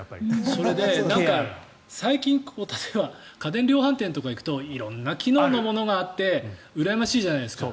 それで最近例えば家電量販店とか行くと色んな機能のものがあってうらやましいじゃないですか。